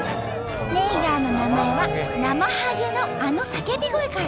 ネイガーの名前はなまはげのあの叫び声から。